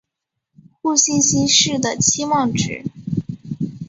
互信息是的期望值。